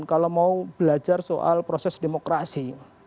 kalau mau belajar soal proses demokrasi